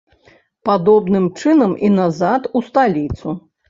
Падобным чынам і назад у сталіцу.